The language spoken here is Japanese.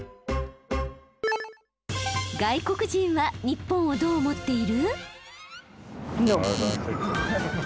外国人は日本をどう思っている？